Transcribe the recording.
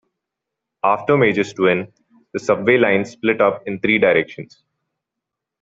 After Majorstuen the subway lines split up in three directions.